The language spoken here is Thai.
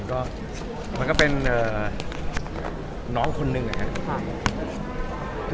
ก็มันก็เป็นน้องคนนึงแหละ